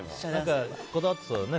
こだわってそうだよね